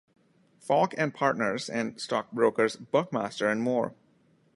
Falk and Partners, and stockbrokers Buckmaster and Moore.